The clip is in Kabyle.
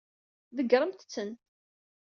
Ḍeggṛemt-ten.